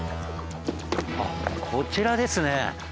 あっこちらですね。